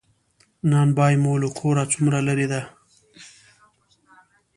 نان بایی مو له کوره څومره لری ده؟